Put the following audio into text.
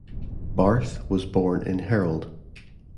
Barth was born in Herold.